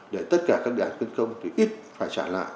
để tất cả các đề án quyến công ít phải trả lại